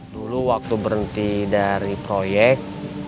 dulu waktu berhenti dari proyek